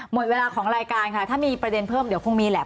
หมดเวลาของรายการค่ะถ้ามีประเด็นเพิ่มเดี๋ยวคงมีแหละ